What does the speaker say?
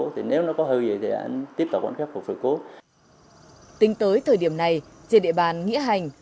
tính tới thời điểm này trên địa bàn nghĩa hành